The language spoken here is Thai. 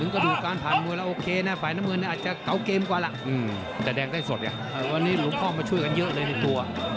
กระดูกการผ่านมือแล้วโอเคนะฝ่ายน้ำมืออาจจะเกาะเกมกว่าล่ะ